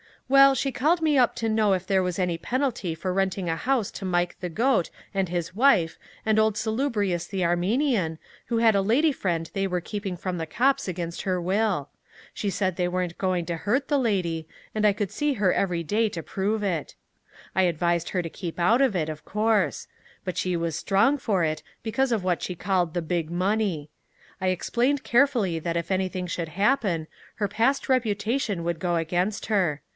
"Well, she called me up to know if there was any penalty for renting a house to Mike the Goat and his wife and old Salubrious the Armenian, who had a lady friend they were keeping from the cops against her will. She said they weren't going to hurt the lady, and I could see her every day to prove it. I advised her to keep out of it, of course; but she was strong for it, because of what she called the big money. I explained carefully that if anything should happen, her past reputation would go against her.